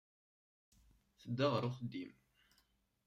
Tedda ɣer uxeddim.